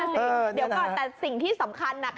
แต่สิ่งที่สำคัญน่ะปล่ะ